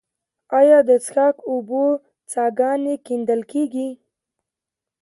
آیا د څښاک اوبو څاګانې کیندل کیږي؟